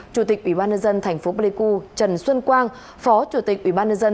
chủ tịch ủy ban nhân dân thành phố pleiku trần xuân quang phó chủ tịch ủy ban nhân dân